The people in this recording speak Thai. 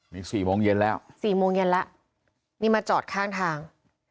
นี่๔โมงเย็นแล้ว๔โมงเย็นแล้วนี่มาจอดข้างทาง